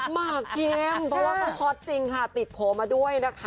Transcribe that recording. หมากกิมเพราะว่าเขาฮอตจริงค่ะติดโผล่มาด้วยนะคะ